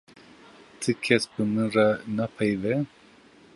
Ti kes bi min re napeyive.